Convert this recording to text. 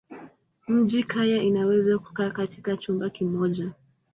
Mjini kaya inaweza kukaa katika chumba kimoja.